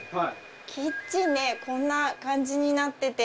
キッチンねこんな感じになってて。